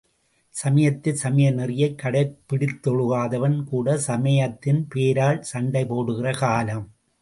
சமயத்தை சமய நெறியைக் கடைப்பிடித்தொழுகாதவன் கூட சமயத்தின் பேரால் சண்டைபோடுகிற காலம்!